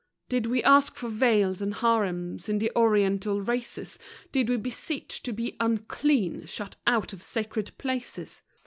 Did we ask for veils and harems in the Oriental races? Did we beseech to be "unclean," shut out of sacred places?